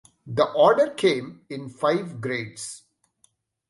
The order came in five grades.